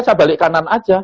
saya balik kanan saja